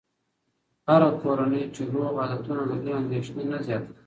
هره کورنۍ چې روغ عادتونه لري، اندېښنې نه زیاتوي.